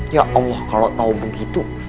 ya allah kalo tau begitu